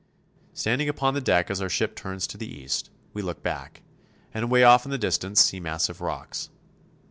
Standing upon the deck as our ship turns to the east, we look back, and away off in the distance see massive rocks.